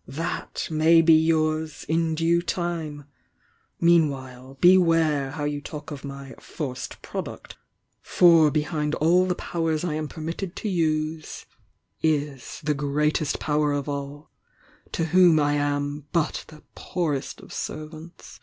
— that may be yours in due time! Meanwhile, beware how you talk of my 'forced product'— for behind all the powers I am permitted THE YOUXG DIANA 258 to use is the Greatest Power of all, to Whom I am but the poorest of servants!"